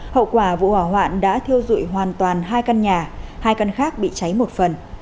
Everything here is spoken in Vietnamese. hậu quả vụ hỏa hoạn đã thiêu dụi hoàn toàn hai căn nhà hai căn khác bị cháy một phần